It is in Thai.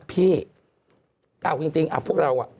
พี่เอาจริงพวกเรา